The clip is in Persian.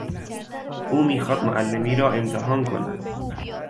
او میخواهد معلمی را امتحان کند.